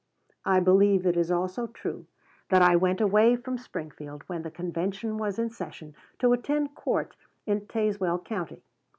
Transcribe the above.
I believe it is also true that I went away from Springfield, when the convention was in session, to attend court in Tazewell County.